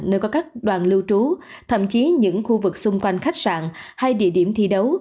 nơi có các đoàn lưu trú thậm chí những khu vực xung quanh khách sạn hay địa điểm thi đấu